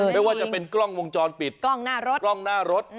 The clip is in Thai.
ไม่ว่าจะเป็นกล้องวงจรปิดกล้องหน้ารถ